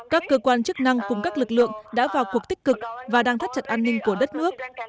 các cơ quan chức năng cùng các lực lượng đã vào cuộc tích cực và đang thắt chặt an ninh của đất nước